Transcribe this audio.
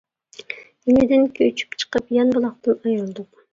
ئىلىدىن كۆچۈپ چىقىپ، يان بۇلاقتىن ئايرىلدۇق.